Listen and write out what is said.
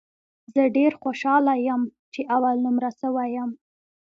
زه ډېر خوشاله یم ، چې اول نمره سوی یم